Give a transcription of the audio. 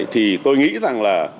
thì tôi nghĩ rằng là